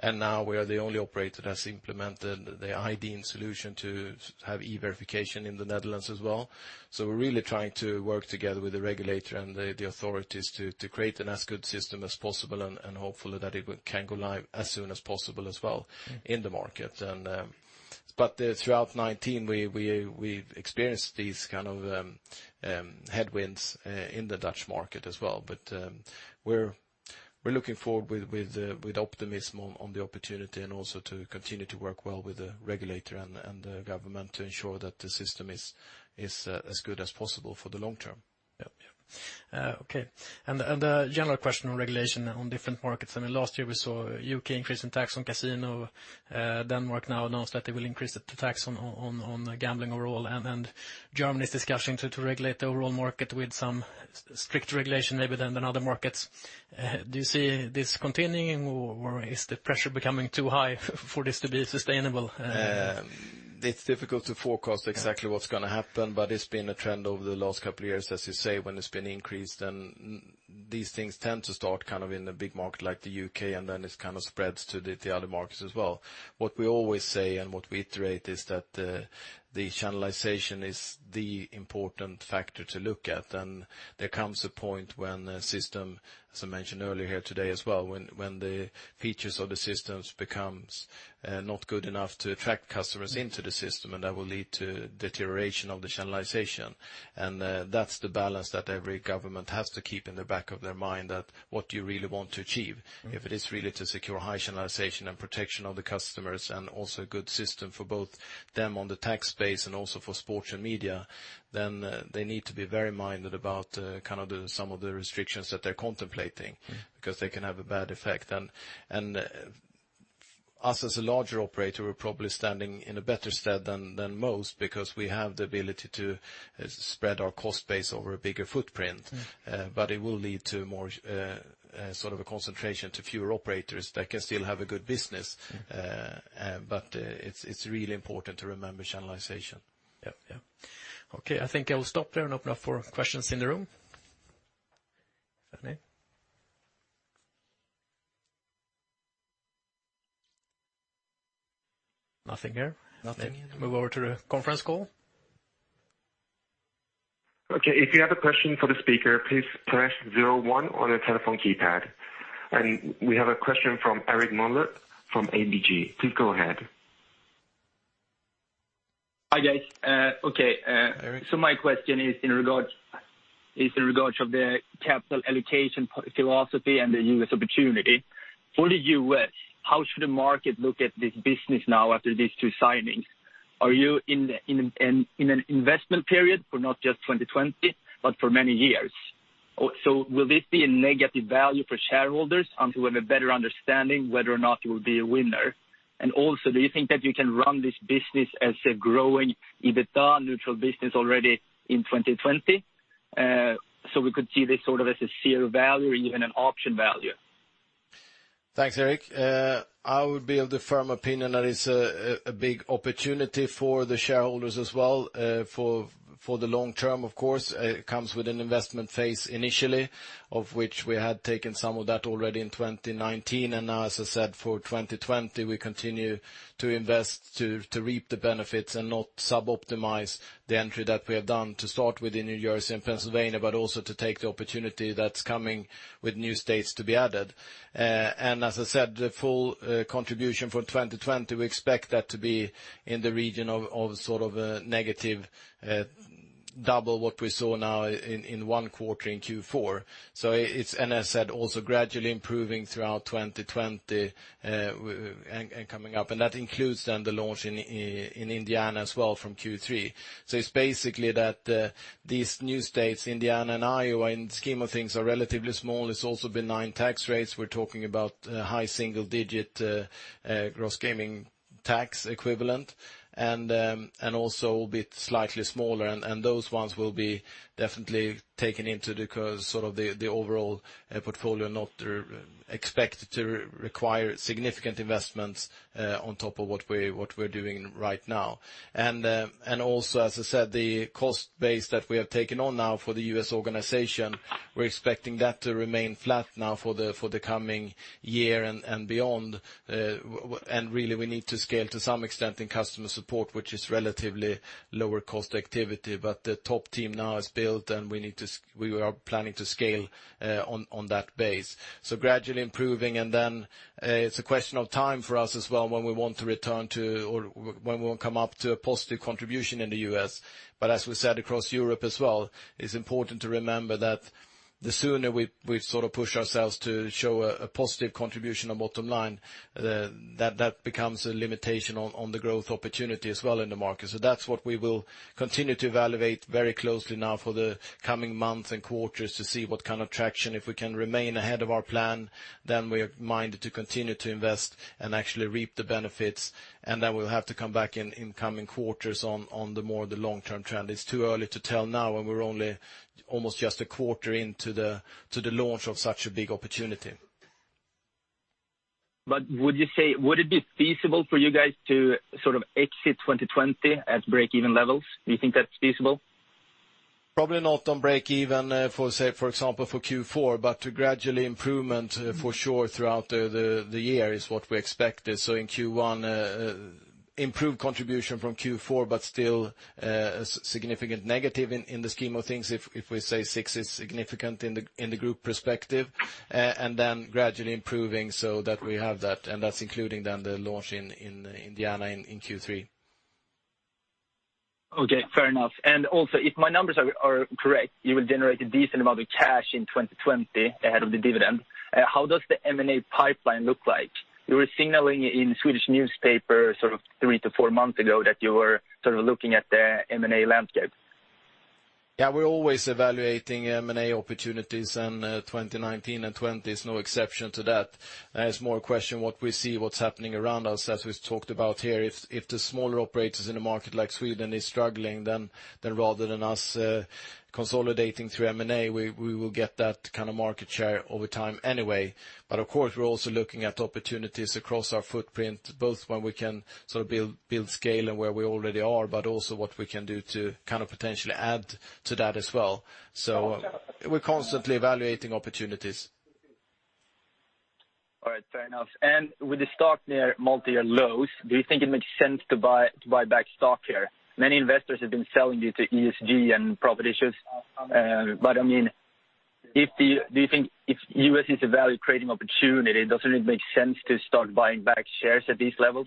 Now we are the only operator that has implemented the iDIN solution to have e-verification in the Netherlands as well. We're really trying to work together with the regulator and the authorities to create as good a system as possible, and hopefully that it can go live as soon as possible as well in the market. Throughout 2019, we've experienced these kind of headwinds in the Dutch market as well. We're looking forward with optimism on the opportunity and also to continue to work well with the regulator and the government to ensure that the system is as good as possible for the long term. Yep. Okay. A general question on regulation on different markets. Last year we saw U.K. increase in tax on casino. Denmark now announced that they will increase the tax on gambling overall. Germany is discussing to regulate the overall market with some strict regulation maybe than other markets. Do you see this continuing, or is the pressure becoming too high for this to be sustainable? It's difficult to forecast exactly what's going to happen, but it's been a trend over the last couple of years, as you say, when it's been increased, and these things tend to start in a big market like the U.K., and then it spreads to the other markets as well. What we always say and what we iterate is that the channelization is the important factor to look at. There comes a point when a system, as I mentioned earlier here today as well, when the features of the system becomes not good enough to attract customers into the system, and that will lead to deterioration of the channelization. That's the balance that every government has to keep in the back of their mind that what do you really want to achieve? If it is really to secure high channelization and protection of the customers and also a good system for both them on the tax space and also for sports and media, then they need to be very minded about some of the restrictions that they're contemplating because they can have a bad effect. Us as a larger operator, we're probably standing in a better stead than most because we have the ability to spread our cost base over a bigger footprint. It will lead to more sort of a concentration to fewer operators that can still have a good business. It's really important to remember channelization. Yep. Okay, I think I will stop there and open up for questions in the room, if any. Nothing here. Nothing here. Move over to the conference call. Okay, if you have a question for the speaker, please press zero one on your telephone keypad. We have a question from Erik Moberg from ABG. Please go ahead. Hi, guys. Okay. Erik. My question is in regards of the capital allocation philosophy and the U.S. opportunity. For the U.S., how should the market look at this business now after these two signings? Are you in an investment period for not just 2020, but for many years? Will this be a negative value for shareholders until we have a better understanding whether or not you will be a winner? Also, do you think that you can run this business as a growing EBITDA-neutral business already in 2020, so we could see this sort of as a share value or even an option value? Thanks, Erik. I would be of the firm opinion that it's a big opportunity for the shareholders as well, for the long term, of course. It comes with an investment phase initially, of which we had taken some of that already in 2019. Now, as I said, for 2020, we continue to invest to reap the benefits and not suboptimize the entry that we have done to start with in New Jersey and Pennsylvania, but also to take the opportunity that's coming with new states to be added. As I said, the full contribution for 2020, we expect that to be in the region of sort of a negative double what we saw now in one quarter in Q4. As I said, also gradually improving throughout 2020, and coming up. That includes then the launch in Indiana as well from Q3. It's basically that these new states, Indiana and Iowa, in the scheme of things, are relatively small. It's also benign tax rates. We're talking about high single-digit gross gaming tax equivalent, and also a bit slightly smaller. Those ones will be definitely taken into the sort of the overall portfolio, not expected to require significant investments on top of what we're doing right now. Also, as I said, the cost base that we have taken on now for the U.S. organization, we're expecting that to remain flat now for the coming year and beyond. Really, we need to scale to some extent in customer support, which is relatively lower cost activity, but the top team now is built and we are planning to scale on that base. Gradually improving and then it's a question of time for us as well when we want to return to or when we'll come up to a positive contribution in the U.S. As we said, across Europe as well, it's important to remember that the sooner we sort of push ourselves to show a positive contribution on bottom line, that becomes a limitation on the growth opportunity as well in the market. That's what we will continue to evaluate very closely now for the coming months and quarters to see what kind of traction, if we can remain ahead of our plan, then we are minded to continue to invest and actually reap the benefits. Then we'll have to come back in incoming quarters on the more the long-term trend. It's too early to tell now, and we're only almost just a quarter into the launch of such a big opportunity. Would it be feasible for you guys to sort of exit 2020 at break-even levels? Do you think that's feasible? Probably not on break-even for say, for example, for Q4, but gradually improvement for sure throughout the year is what we expected. In Q1, improved contribution from Q4, but still a significant negative in the scheme of things if we say six is significant in the group perspective. Then gradually improving so that we have that, and that's including then the launch in Indiana in Q3. Okay, fair enough. Also, if my numbers are correct, you will generate a decent amount of cash in 2020 ahead of the dividend. How does the M&A pipeline look like? You were signaling in Swedish newspaper sort of three-four months ago that you were sort of looking at the M&A landscape. Yeah, we're always evaluating M&A opportunities. 2019 and 2020 is no exception to that. It's more a question what we see, what's happening around us, as we've talked about here. If the smaller operators in a market like Sweden is struggling, rather than us consolidating through M&A, we will get that kind of market share over time anyway. Of course, we're also looking at opportunities across our footprint, both where we can sort of build scale and where we already are, but also what we can do to kind of potentially add to that as well. We're constantly evaluating opportunities. All right, fair enough. With the stock near multi-year lows, do you think it makes sense to buy back stock here? Many investors have been selling due to ESG and profit issues. I mean, do you think if U.S. is a value-creating opportunity, doesn't it make sense to start buying back shares at these levels?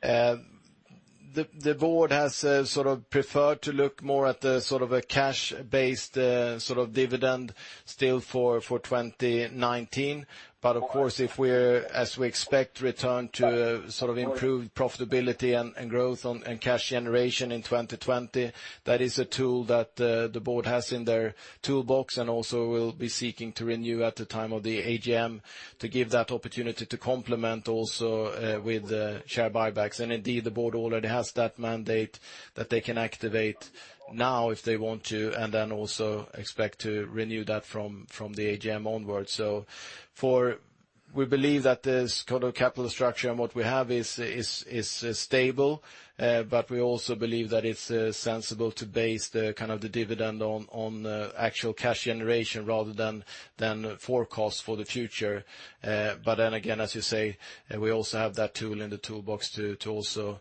The board has sort of preferred to look more at the sort of a cash-based sort of dividend still for 2019. Of course, if we're, as we expect, return to sort of improved profitability and growth and cash generation in 2020, that is a tool that the board has in their toolbox, and also we'll be seeking to renew at the time of the AGM to give that opportunity to complement also with share buybacks. Indeed, the board already has that mandate that they can activate now if they want to, then also expect to renew that from the AGM onwards. We believe that this kind of capital structure and what we have is stable. We also believe that it's sensible to base the dividend on actual cash generation rather than forecasts for the future. Again, as you say, we also have that tool in the toolbox to also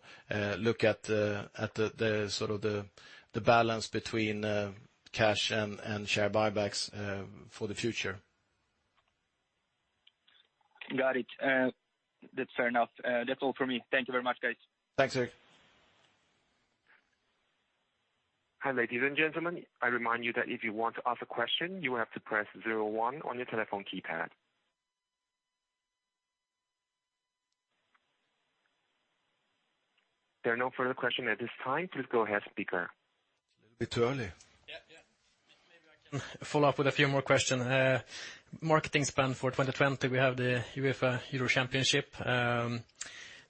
look at the balance between cash and share buybacks for the future. Got it. That's fair enough. That's all for me. Thank you very much, guys. Thanks, Erik. Hi, ladies and gentlemen. I remind you that if you want to ask a question, you have to press zero one on your telephone keypad. There are no further questions at this time. Please go ahead, speaker. A bit too early. Yeah. Maybe I can follow up with a few more question. Marketing spend for 2020, we have the UEFA European Championship. How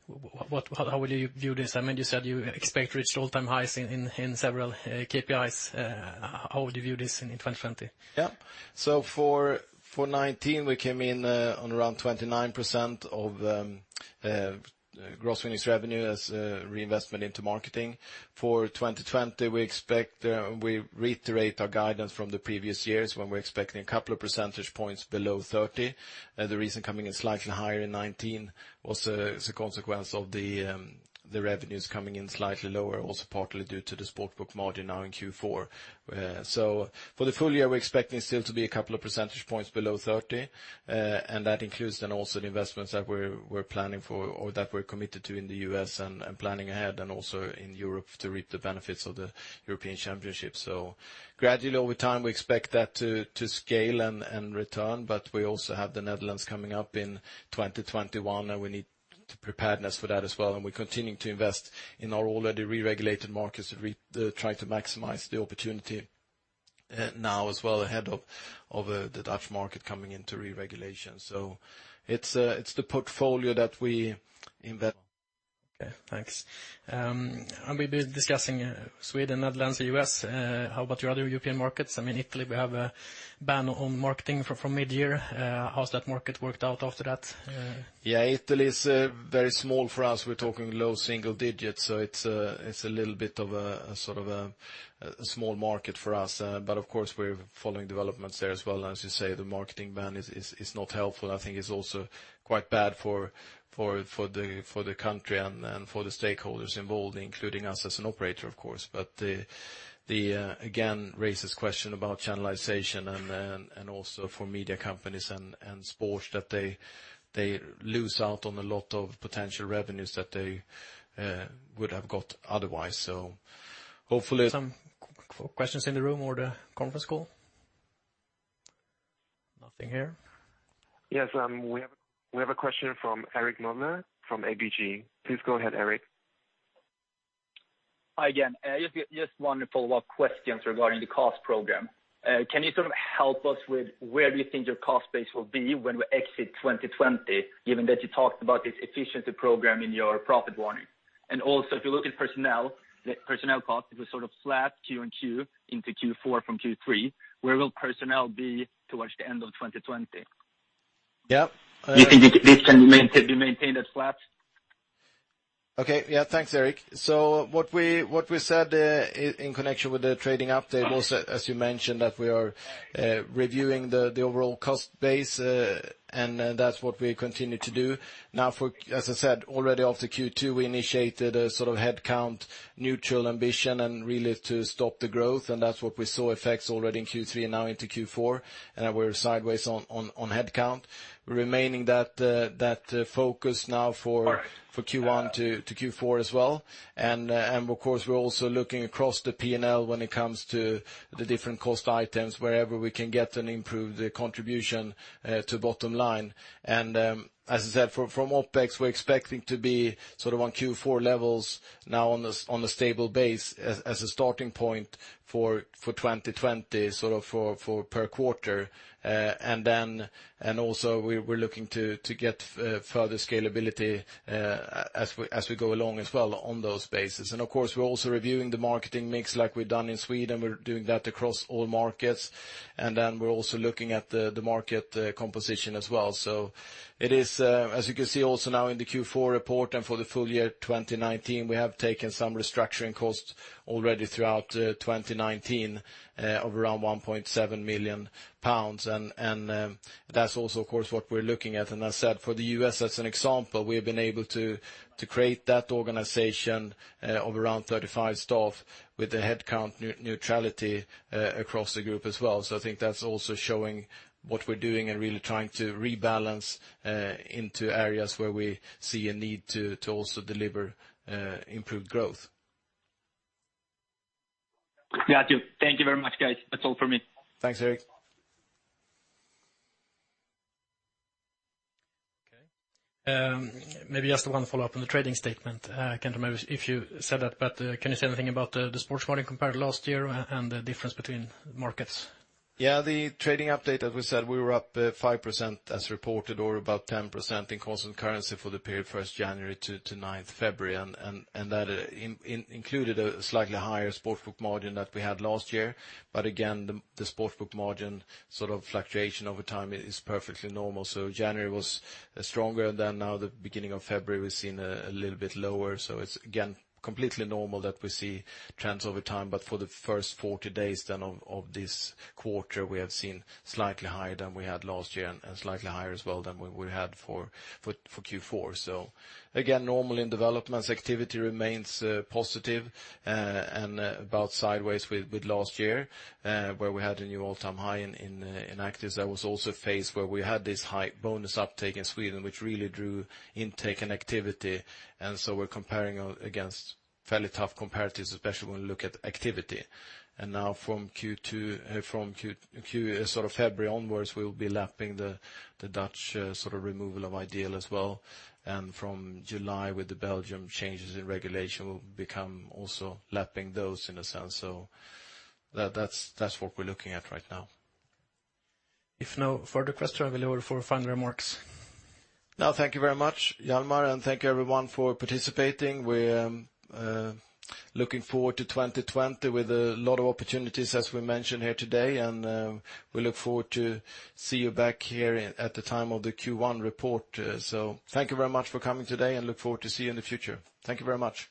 will you view this? I mean, you said you expect to reach all-time highs in several KPIs. How would you view this in 2020? For 2019, we came in on around 29% of gross winnings revenue as reinvestment into marketing. For 2020, we reiterate our guidance from the previous years, when we are expecting a couple of percentage points below 30. The reason coming in slightly higher in 2019 was a consequence of the revenues coming in slightly lower, also partly due to the sportsbook margin now in Q4. For the full year, we are expecting still to be a couple of percentage points below 30. That includes then also the investments that we are planning for, or that we are committed to in the U.S. and planning ahead, also in Europe to reap the benefits of the European Championship. Gradually, over time, we expect that to scale and return, but we also have the Netherlands coming up in 2021, and we need to preparedness for that as well. We're continuing to invest in our already re-regulated markets, try to maximize the opportunity now as well ahead of the Dutch market coming into re-regulation. It's the portfolio that we invest. Okay, thanks. We've been discussing Sweden, Netherlands, U.S. How about your other European markets? I mean, Italy, we have a ban on marketing from mid-year. How's that market worked out after that? Yeah, Italy is very small for us. We're talking low single digits. It's a little bit of a small market for us. Of course, we're following developments there as well. As you say, the marketing ban is not helpful. I think it's also quite bad for the country and for the stakeholders involved, including us as an operator, of course. Again, raises question about channelization and also for media companies and sports that they lose out on a lot of potential revenues that they would have got otherwise. Some questions in the room or the conference call? Nothing here. Yes, we have a question from Erik Moberg from ABG. Please go ahead, Erik. Hi again. Just want to follow up questions regarding the cost program. Can you sort of help us with where do you think your cost base will be when we exit 2020, given that you talked about this efficiency program in your profit warning? If you look at personnel costs, it was sort of flat Q and Q into Q4 from Q3, where will personnel be towards the end of 2020? Yeah. Do you think this can be maintained as flat? Okay. Yeah, thanks, Erik. What we said in connection with the trading update was, as you mentioned, that we are reviewing the overall cost base. That's what we continue to do. Now, as I said, already after Q2, we initiated a sort of headcount neutral ambition and really to stop the growth, and that's what we saw effects already in Q3 and now into Q4, and we're sideways on headcount. Remaining that focus now for Q1-Q4 as well. Of course, we're also looking across the P&L when it comes to the different cost items, wherever we can get an improved contribution to bottom line. As I said, from OpEx, we're expecting to be sort of on Q4 levels now on a stable base as a starting point for 2020, sort of for per quarter. Also we're looking to get further scalability as we go along as well on those bases. Of course, we're also reviewing the marketing mix like we've done in Sweden. We're doing that across all markets. We're also looking at the market composition as well. It is, as you can see also now in the Q4 report and for the full year 2019, we have taken some restructuring costs already throughout 2019 of around 1.7 million pounds. That's also, of course, what we're looking at. As I said, for the U.S. as an example, we've been able to create that organization of around 35 staff with a headcount neutrality across the group as well. I think that's also showing what we're doing and really trying to rebalance into areas where we see a need to also deliver improved growth. Got you. Thank you very much, guys. That's all for me. Thanks, Erik. Okay. Maybe just one follow-up on the trading statement. I can't remember if you said that, but can you say anything about the sports betting compared to last year and the difference between markets? The trading update, as we said, we were up 5% as reported or about 10% in constant currency for the period 1st January to 9th February, and that included a slightly higher sports book margin that we had last year. Again, the sports book margin sort of fluctuation over time is perfectly normal. January was stronger than now. The beginning of February, we've seen a little bit lower. It's again, completely normal that we see trends over time. For the first 40 days then of this quarter, we have seen slightly higher than we had last year and slightly higher as well than we had for Q4. Again, normal in developments, activity remains positive, and about sideways with last year, where we had a new all-time high in actives. That was also a phase where we had this high bonus uptake in Sweden, which really drew intake and activity. We're comparing against fairly tough comparatives, especially when we look at activity. Now from February onwards, we'll be lapping the Dutch removal of iDEAL as well. From July with the Belgium changes in regulation, we'll become also lapping those in a sense. That's what we're looking at right now. If no further question, I will leave for final remarks. Thank you very much, Hjalmar, and thank you everyone for participating. We're looking forward to 2020 with a lot of opportunities, as we mentioned here today, and we look forward to see you back here at the time of the Q1 report. Thank you very much for coming today and look forward to see you in the future. Thank you very much.